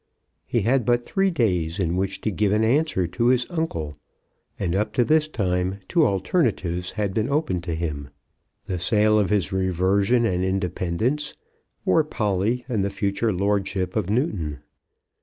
He had but three days in which to give an answer to his uncle, and up to this time two alternatives had been open to him, the sale of his reversion and independence, or Polly and the future lordship of Newton.